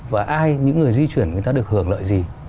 và ai những người di chuyển người ta được hưởng lợi gì